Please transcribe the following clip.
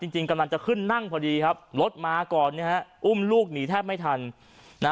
จริงกำลังจะขึ้นนั่งพอดีครับรถมาก่อนนะฮะอุ้มลูกหนีแทบไม่ทันนะ